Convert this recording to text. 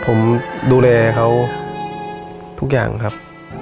ผมดูแลเขาทุกอย่างครับ